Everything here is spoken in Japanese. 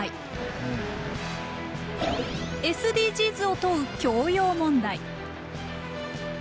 ＳＤＧｓを問う教養問題。